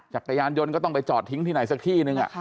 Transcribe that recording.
จักรยานยนต์ก็ต้องไปจอดทิ้งที่ไหนสักที่นึง